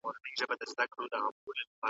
د غچ اخیستلو نشه د انسان لپاره خطرناکه ده.